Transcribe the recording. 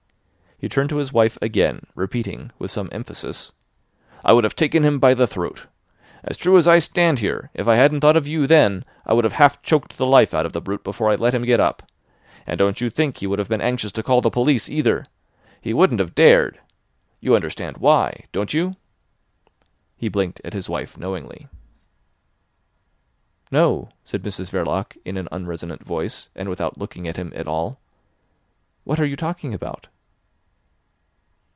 He turned to his wife again, repeating, with some emphasis: "I would have taken him by the throat. As true as I stand here, if I hadn't thought of you then I would have half choked the life out of the brute before I let him get up. And don't you think he would have been anxious to call the police either. He wouldn't have dared. You understand why—don't you?" He blinked at his wife knowingly. "No," said Mrs Verloc in an unresonant voice, and without looking at him at all. "What are you talking about?"